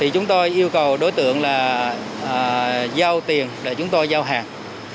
chúng tôi yêu cầu đối tượng là giao tiền để chúng tôi giao hàng